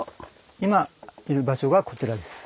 今いる場所がこちらです。